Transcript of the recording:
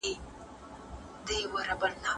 که تمرین نه کوې، وزن څنګه کمېږي؟